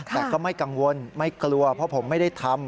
แต่ก็ไม่กังวลไม่กลัวเพราะผมไม่ได้ทำ